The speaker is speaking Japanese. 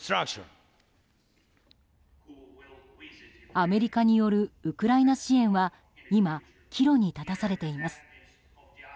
アメリカによるウクライナ支援は今、岐路に立たされています。